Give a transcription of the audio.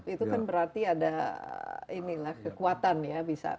itu kan berarti ada kekuatan ya bisa